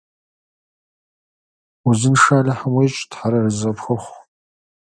И доверие к Конвенции будет подорвано, если упомянутое уничтожение не будет обеспечено.